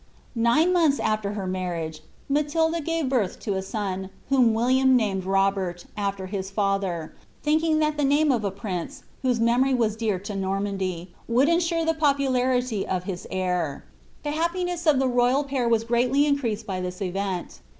ilhs after tier marriu^, Matilda ^ve binh to a sun, whom Williaiti named Knberi, after his TuiIrt, tliinking that the name of a e, whose memory whs dear to Normandy, would ensure the popu of his heir.* The happineit* of the royal pair was greatly increased by liiis event.